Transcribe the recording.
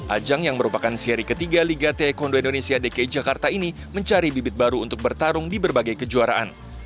ajang yang merupakan seri ketiga liga teh kondo indonesia dki jakarta ini mencari bibit baru untuk bertarung di berbagai kejuaraan